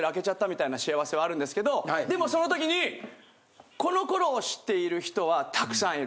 はあるんですけどでもその時にこの頃を知っている人はたくさんいる。